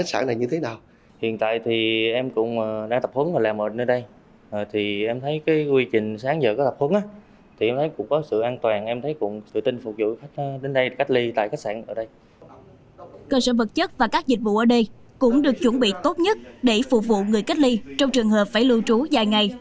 cơ sở vật chất và các dịch vụ ở đây cũng được chuẩn bị tốt nhất để phục vụ người cách ly trong trường hợp phải lưu trú dài ngày